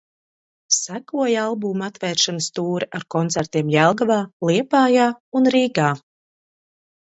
Sekoja albuma atvēršanas tūre ar koncertiem Jelgavā, Liepājā un Rīgā.